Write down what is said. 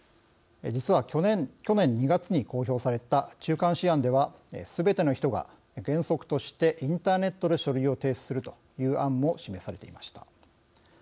実は、去年２月に公表された中間試案ではすべての人が原則としてインターネットで書類を提出するという案も示されていました。